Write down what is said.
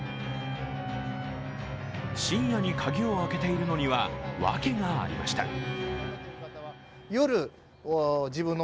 深夜に鍵を開けているのには、ワケがありました。